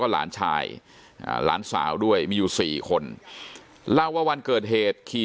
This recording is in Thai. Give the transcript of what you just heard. หลานชายหลานสาวด้วยมีอยู่๔คนเล่าว่าวันเกิดเหตุขี่